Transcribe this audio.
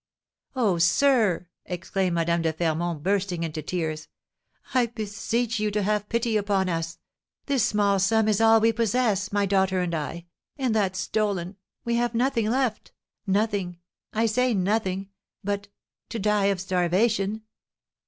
"Oh, sir," exclaimed Madame de Fermont, bursting into tears, "I beseech you have pity upon us! This small sum is all we possess, my daughter and I, and, that stolen, we have nothing left nothing I say nothing, but to die of starvation!"